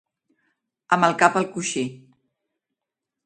Amb el cap al coixí.